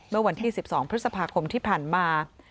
เมื่อวันที่๑๒พฤษภาคมที่ผ่านมา